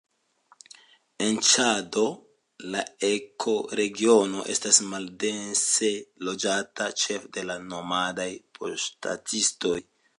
En Ĉado la ekoregiono estas maldense loĝata, ĉefe de nomadaj paŝtistoj.